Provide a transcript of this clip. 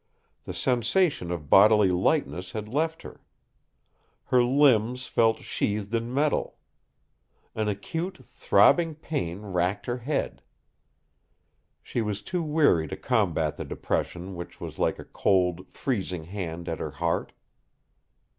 The sensation of bodily lightness had left her. Her limbs felt sheathed in metal. An acute, throbbing pain racked her head. She was too weary to combat the depression which was like a cold, freezing hand at her heart.